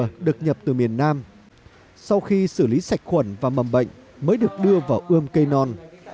nguồn sơ dừa được nhận được từ miền nam sau khi xử lý sạch khuẩn và mầm bệnh mới được đưa vào ươm cây non